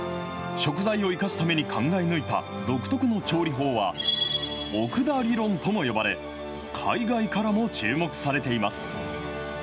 食材を生かすために考え抜いた独特の調理法は、奥田理論とも呼ばれ、海外からも注目されています。